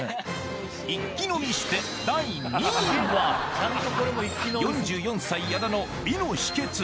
一気飲みして４４歳矢田の美の秘訣